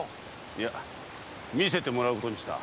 いや見せてもらうことにした。